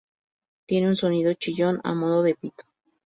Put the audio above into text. Tiene un sonido chillón a modo de pito.